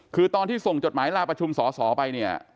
คือตอนที่ส่งจดหมายลาประชุมสอสอไปเนี่ย